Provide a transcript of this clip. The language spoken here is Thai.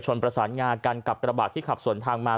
ประสานงากันกับกระบาดที่ขับสวนทางมา